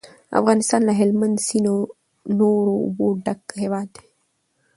افغانستان له هلمند سیند او نورو اوبو ډک هیواد دی.